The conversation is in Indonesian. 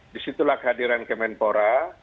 disitulah kehadiran kemenpora